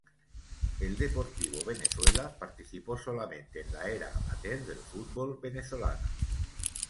El Deportivo Venezuela participó solamente en la Era amateur del Fútbol venezolano.